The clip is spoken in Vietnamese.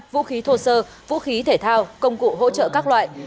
vũ khí thô sơ vũ khí thể thao công cụ hỗ trợ các loại